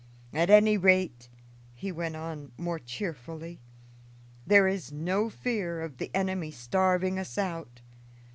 At any rate," he went on more cheerfully, "there is no fear of the enemy starving us out.